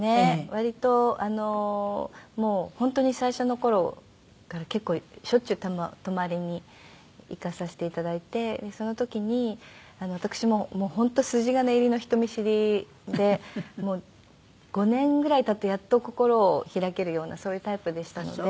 割ともう本当に最初の頃から結構しょっちゅう泊まりに行かせていただいてその時に私も本当筋金入りの人見知りでもう５年ぐらい経ってやっと心を開けるようなそういうタイプでしたので。